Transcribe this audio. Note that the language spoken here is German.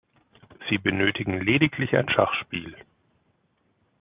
Sie benötigen lediglich ein Schachspiel.